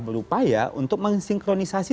berupaya untuk mensinkronisasi